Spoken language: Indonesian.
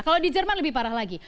kalau di jerman lebih parah lagi